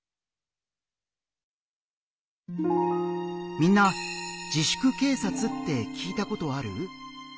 みんな「自粛警察」って聞いたことある？